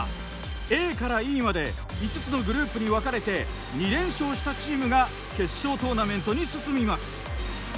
ＡからＥまで５つのグループに分かれて２連勝したチームが決勝トーナメントに進みます。